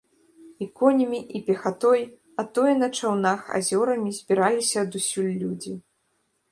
І коньмі, і пехатой, а то і на чаўнах азёрамі збіраліся адусюль людзі.